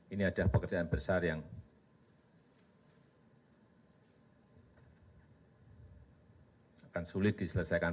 ini ada pekerjaan besar yang akan sulit diselesaikan